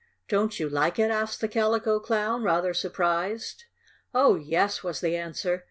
"Don't you like it?" asked the Calico Clown, rather surprised. "Oh, yes!" was the answer.